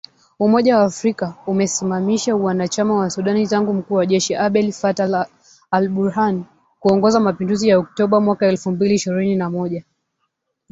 Umoja wa Afrika, umesimamisha uanachama wa Sudan tangu mkuu wa jeshi Abdel Fattah al-Burhan kuongoza mapinduzi ya Oktoba mwaka elfu mbili ishirini na moja.